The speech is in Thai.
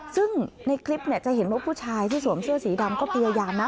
ซึ่งในคลิปเนี่ยจะเห็นว่าผู้ชายที่สวมเสื้อสีดำก็พยายามนะ